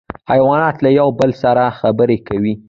حیوانات له یو بل سره خبرې کوي